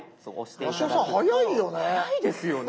八代さん早いよね。